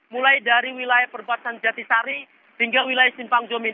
mulai dari wilayah perbatasan jatisari hingga wilayah simpang jomin